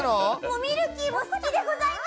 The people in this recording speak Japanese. ミルキーも好きでございます。